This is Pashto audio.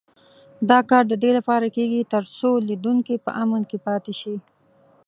دا کار د دې لپاره کېږي تر څو تولیدوونکي په امن کې پاتې شي.